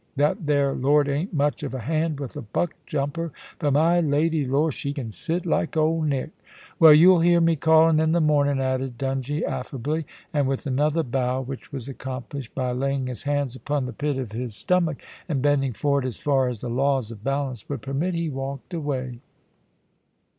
That there lord ain't much of a hand with a buck jumper, but my lady, lor ! she can sit like Old Nick. Well, you'll hear me calling in the morn ing,' added Dungie, affably ; and with another bow, which was accomplished by laying his hands upon the pit of his 22 POLICY AND PASSION, stomach, and bending forward as far as the laws of balance would permit, he walked away.